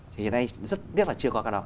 thì hiện nay rất tiếc là chưa có cả đó